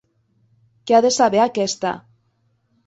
Què ha de saber, aquesta!